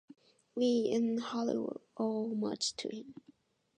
We in Hollywood owe much to him.